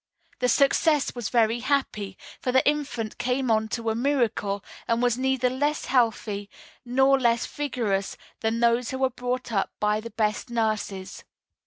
The success was very happy, for the infant came on to a miracle, and was neither less healthy nor less vigorous than those who are brought up by the best nurses.